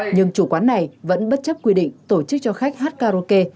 nhưng chủ quán này vẫn bất chấp quy định tổ chức cho khách hát karaoke